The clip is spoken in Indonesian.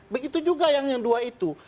begitu juga yang dua itu